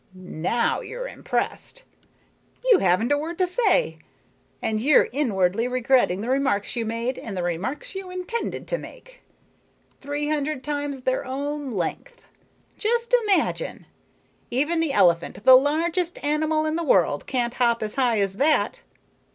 Now you're impressed. You haven't a word to say. And you're inwardly regretting the remarks you made and the remarks you intended to make. Three hundred times their own length! Just imagine. Even the elephant, the largest animal in the world, can't hop as high as that.